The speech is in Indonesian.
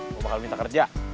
gue bakal minta kerja